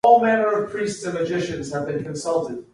Dense crowds assembled to witness the cutting of the dam.